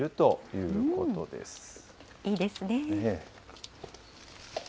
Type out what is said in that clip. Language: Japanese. いいですね。